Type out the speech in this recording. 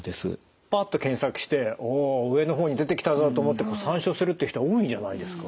パッと検索して「おお上の方に出てきたぞ」と思って参照するって人は多いんじゃないですか？